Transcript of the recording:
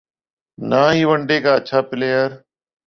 نہ ہی one day کا اچھا پلئیر